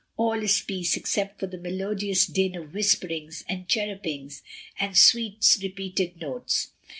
All is peace except for the melodious din of whisperings and chirrupings and sweet repeated notes.